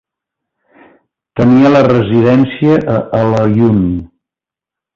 Tenia la residència a Al-Aaiun.